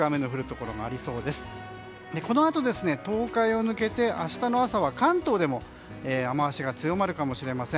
このあと、東海を抜けて明日の朝は関東でも雨脚が強まるかもしれません。